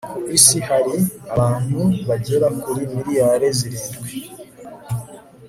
ku isi hari abantu bagera kuri miliyari zirindwi